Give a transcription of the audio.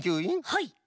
はい。